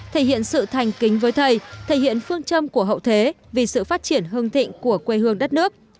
thể hiện sự thành kính với thầy thể hiện phương châm của hậu thế vì sự phát triển hương thịnh của quê hương đất nước